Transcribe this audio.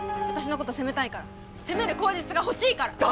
私のことを責めたいから責める口実が欲しいから！